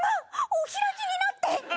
お開きになって。